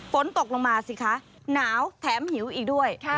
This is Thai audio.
ฝนตกลงมาสิคะหนาวแถมหิวอีกด้วย